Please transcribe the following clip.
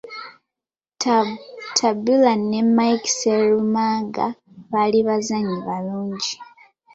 Tabula ne Mike Sserumaga baali bazannyi balungi.